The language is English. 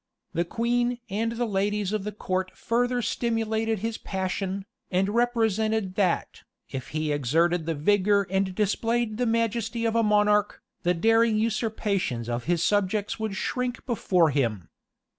The queen and the ladies of the court further stimulated his passion, and represented that, if he exerted the vigor and displayed the majesty of a monarch, the daring usurpations of his subjects would shrink before him.